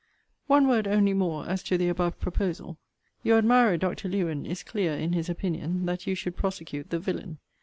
One word only more as to the above proposal: Your admirer, Dr. Lewen, is clear, in his opinion, that you should prosecute the villain.